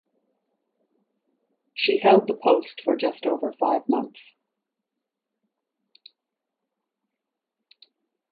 She held the post for just over five months.